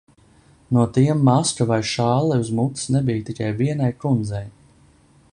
No tiem maska vai šalle uz mutes nebija tikai vienai kundzei.